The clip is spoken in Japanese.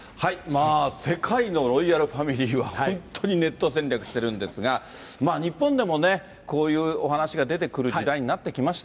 世界のロイヤルファミリーは本当にネット戦略してるんですが、日本でもね、こういうお話が出てくる時代になってきました。